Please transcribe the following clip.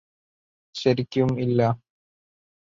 ശരിക്കും ഇല്ല